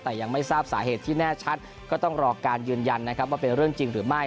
แต่ยังไม่ทราบสาเหตุที่แน่ชัดก็ต้องรอการยืนยันนะครับว่าเป็นเรื่องจริงหรือไม่